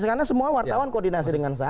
karena semua wartawan koordinasi dengan saya